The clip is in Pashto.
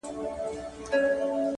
د ښكلي سولي يوه غوښتنه وكړو’